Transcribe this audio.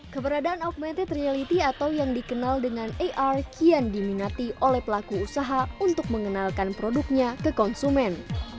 keberadaan augmented reality atau yang dikenal dengan ar kian diminati oleh pelaku usaha untuk mengenalkan produknya ke konsumen